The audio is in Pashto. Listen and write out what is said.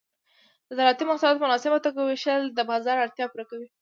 د زراعتي محصولات په مناسبه توګه ویشل د بازار اړتیا پوره کوي.